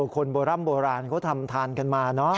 คนโบร่ำโบราณเขาทำทานกันมาเนอะ